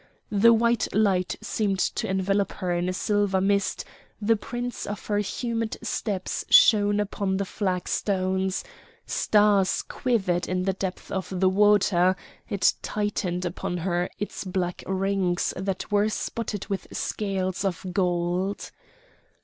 The white light seemed to envelop her in a silver mist, the prints of her humid steps shone upon the flag stones, stars quivered in the depth of the water; it tightened upon her its black rings that were spotted with scales of gold.